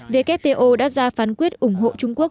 vkto đã ra phán quyết ủng hộ trung quốc